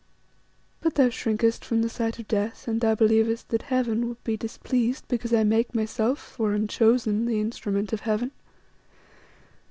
But thou shrinkest from the sight of death, and thou believest that Heaven would be displeased because I make myself or am chosen the instrument of Heaven.